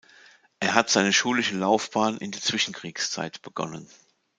Er hat seine schulische Laufbahn in der Zwischenkriegszeit begonnen.